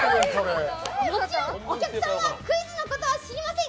もちろん、お客さんはクイズのことは知りません。